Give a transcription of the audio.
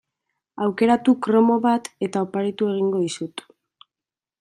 Aukeratu kromo bat eta oparitu egingo dizut.